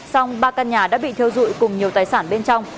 xong ba căn nhà đã bị theo dụi cùng nhiều tài sản bên trong